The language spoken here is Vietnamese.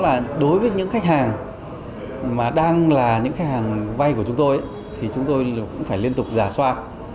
và đối với những khách hàng mà đang là những khách hàng vay của chúng tôi thì chúng tôi cũng phải liên tục giả soát